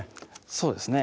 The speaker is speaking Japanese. そうですね